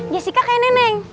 jessica kayak neneng